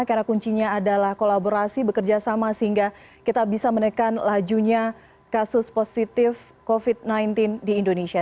karena kuncinya adalah kolaborasi bekerja sama sehingga kita bisa menekan lajunya kasus positif covid sembilan belas di indonesia